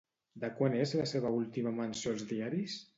De quan és la seva última menció als diaris?